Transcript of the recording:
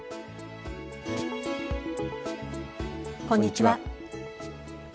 こんにちは。